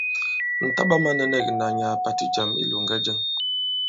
Ŋ̀ taɓā mānɛ̄nɛ̂k ìnà nyàà pàti ì jàm i ilōŋgɛ jɛŋ.